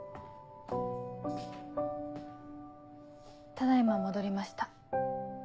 ただ今戻りました。